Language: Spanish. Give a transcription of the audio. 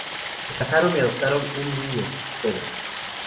Se casaron y adoptaron un niño, Pedro.